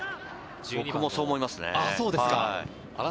僕もそう思いますね。